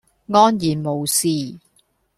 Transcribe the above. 安然無事